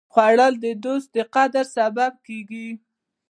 خوړل د دوست د قدر سبب کېږي